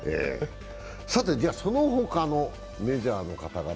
さて、その他のメジャーの方々。